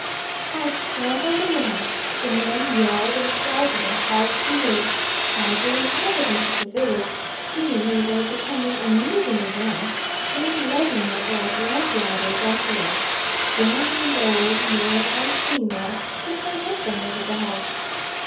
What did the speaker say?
I scrambled along, the men yelled and shouted and hauled the canoe, and the inhabitants of the village, seeing we were becoming amusing again, came, legging it like lamp lighters, after us, young and old, male and female, to say nothing of the dogs.